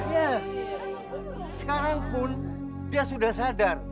ya sekarang pun dia sudah sadar